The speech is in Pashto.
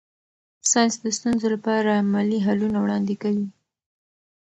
ساینس د ستونزو لپاره عملي حلونه وړاندې کوي.